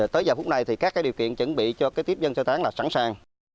tới giờ phút này thì các điều kiện chuẩn bị cho tiếp dân sơ tán là sẵn sàng